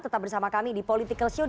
tetap bersama kami di political show